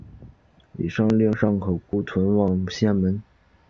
李晟令尚可孤屯望仙门。